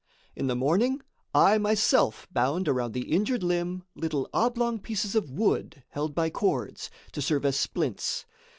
In the morning, I myself bound around the injured limb little oblong pieces of wood, held by cords, to serve as splints.